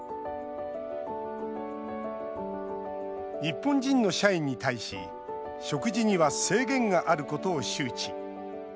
日本人の社員に対し食事には制限があることを周知。